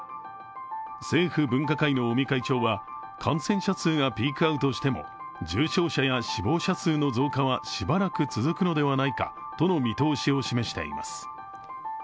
政府分科会の尾身会長は、感染者数がピークアウトしても重症者や死亡者数の増加はしばらく続くのではないかとの見通しを示しています。